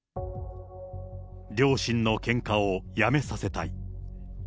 両親のけんかをやめさせたい。